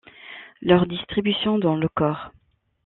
Leur distribution dans le corps.